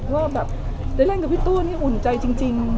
ว่าแบบได้เล่นกับพี่ตู้นี่อุ่นใจจริง